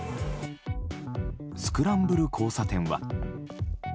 スクランブル交差点は。